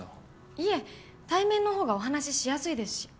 いえ対面の方がお話ししやすいですし。